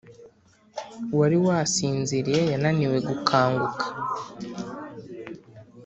wari wasinziriye yananiwe gukanguka